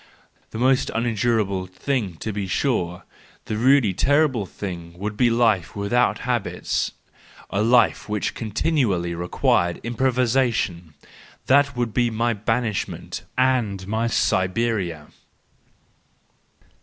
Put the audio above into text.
The most unendurable thing, to be sure, the really terrible thing, would be a life without habits, a life which SANCTUS JANUARIUS 231 continually required improvisation :— that would be my banishment and my Siberia.